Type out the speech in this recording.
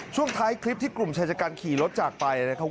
ช่วงท้ายคลิปที่กลุ่มชายชะกันขี่รถจากไปนะครับ